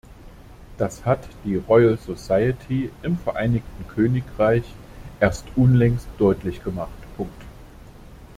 Das hat die Royal Society im Vereinigten Königreich erst unlängst deutlich gemacht.